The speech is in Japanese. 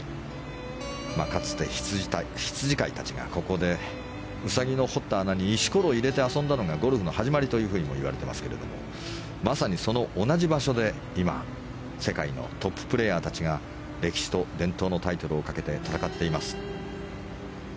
かつて羊飼いたちがここでウサギの掘った穴に石ころを入れて遊んだのがゴルフの始まりともいわれていますけどもまさにその同じ場所で今、世界のトッププレーヤーたちが歴史と伝統のタイトルをかけて戦っています。